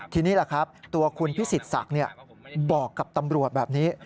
ทีนี้แหละครับตัวคุณพิสิทธิ์ศักดิ์บอกกับตำรวจแบบนี้